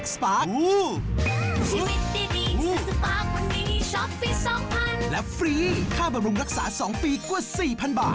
ขอบคุณครับ